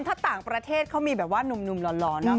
ถ้าต่างประเทศเขามีหนุ่มหลอน